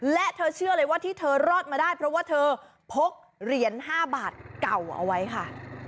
และเธอเชื่อเลยว่าที่เธอรอดมาได้เพราะว่าเธอพกเหรียญ๕บาทเก่าเอาไว้ค่ะ